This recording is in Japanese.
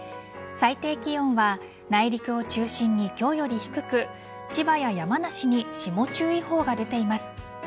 最低気温は内陸を中心に今日より低く千葉や山梨に霜注意報が出ています。